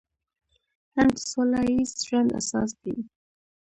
علم د سوله ییز ژوند اساس دی.